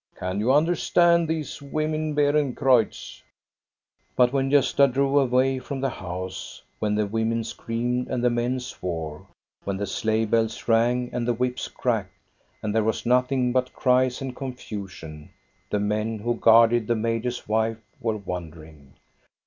Can you under stand these women, Beerencreutz?" But when Gosta drove away from the house, when the women screamed and the men swore, when the sleigh bells rang and the whips cracked, and there was nothing but cries and confusion, the men who guarded the major's wife were wondering.